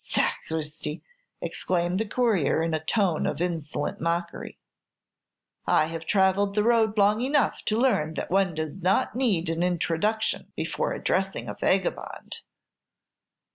"Sacristi!" exclaimed the courier, in a tone of insolent mockery, "I have travelled the road long enough to learn that one does not need an introduction before addressing a vagabond."